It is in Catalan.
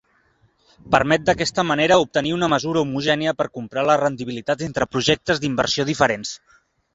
Permet d'aquesta manera obtenir una mesura homogènia per comprar la rendibilitat entre projectes d'inversió diferents.